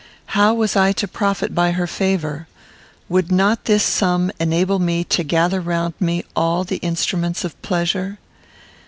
How was I to profit by her favour? Would not this sum enable me to gather round me all the instruments of pleasure?